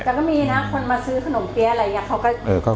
จากก็มีนะคนมาซื้อขนมเตี้ยอะไรอย่างเขาก็